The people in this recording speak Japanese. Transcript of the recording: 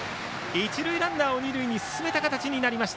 一塁ランナーを二塁に進めた形になりました。